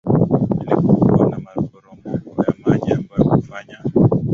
milipuko na maporomoko ya maji ambayo hufanya